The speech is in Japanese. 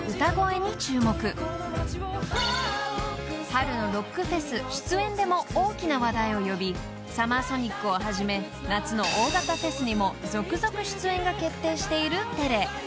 ［春のロックフェス出演でも大きな話題を呼びＳＵＭＭＥＲＳＯＮＩＣをはじめ夏の大型フェスにも続々出演が決定しているＴｅｌｅ］